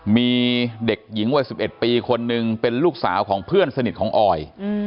มีเด็กหญิงวัย๑๑ปีคนนึงเป็นลูกสาวของเพื่อนสนิทของออย